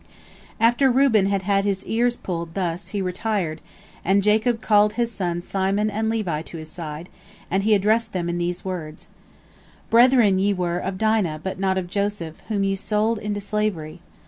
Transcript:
" After Reuben had had his "ears pulled" thus, he retired, and Jacob called his sons Simon and Levi to his side, and he addressed them in these words: "Brethren ye were of Dinah, but not of Joseph, whom you sold into slavery.